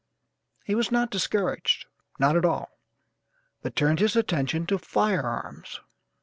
He was not discouraged, not at all, but turned his attention to fire arms.